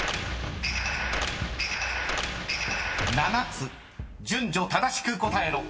［７つ順序正しく答えろ］